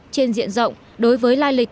trên diện rộng đối với lai lịch